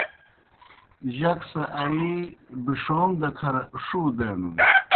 جک سہ آیِی بِݜَوم دہ کھر ݜُو دینَن۔